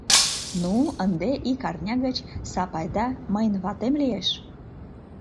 Ну, ынде ик арня гыч Сапайда мыйын ватем лиеш...